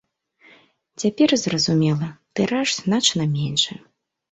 Цяпер, зразумела, тыраж значна меншы.